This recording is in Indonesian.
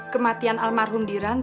kematian almarhum diran